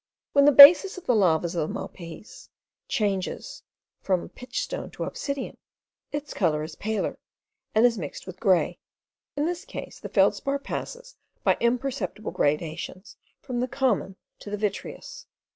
When the basis of the lavas of the Malpays changes from pitchstone to obsidian, its colour is paler, and is mixed with grey; in this case, the feldspar passes by imperceptible gradations from the common to the vitreous.